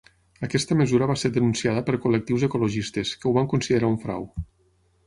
Aquesta mesura va ser denunciada per col·lectius ecologistes, que ho van considerar un frau.